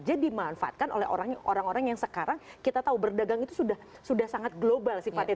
jadi dimanfaatkan oleh orang orang yang sekarang kita tahu berdagang itu sudah sangat global sifatnya